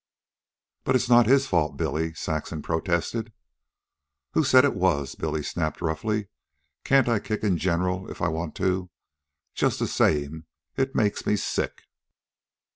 "But it's not his fault, Billy," Saxon protested. "Who said it was?" Billy snapped roughly. "Can't I kick in general if I want to? Just the same it makes me sick.